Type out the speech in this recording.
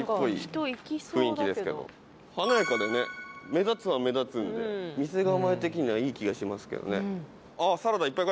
華やかで目立つは目立つんで店構え的にはいい気がしますけどね。